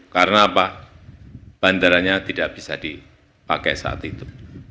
karena apa bandaranya tidak bisa dipakai saat itu